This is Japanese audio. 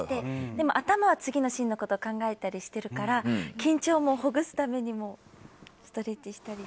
でも、頭は次のシーンのことを考えたりしてるから緊張をほぐすためにストレッチをしたり。